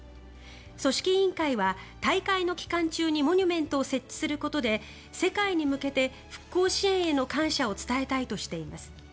組織委員会は大会の期間中にモニュメントを設置することで世界に向けて復興支援への感謝を伝えたいとしています。